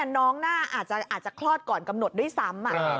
น้องน่าจะคลอดก่อนกำหนดด้วยซ้ำ